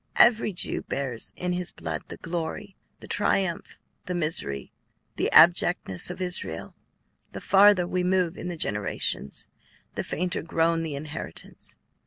Every Jew bears in his blood the glory, the triumph, the misery, the abjectness of Israel. The farther we move in the generations, the fainter grown the inheritance.